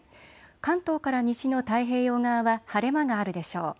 関東から西の太平洋側は晴れ間があるでしょう。